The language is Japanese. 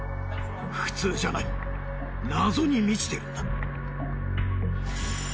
普通じゃない謎に満ちてるんだ。